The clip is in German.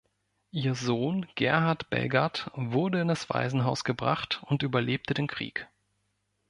Ihr Sohn Gerhard Belgardt wurde in das Waisenhaus gebracht und überlebte den Krieg.